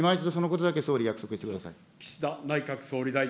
今一度、そのことだけ約束してください。